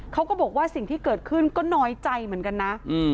เขาก็บอกว่าสิ่งที่เกิดขึ้นก็น้อยใจเหมือนกันนะ